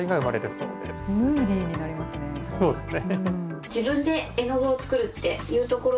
そうですね。